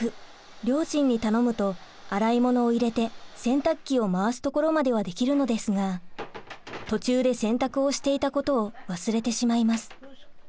両親に頼むと洗い物を入れて洗濯機を回すところまではできるのですが途中で洗濯をしていたことを忘れてしまいます。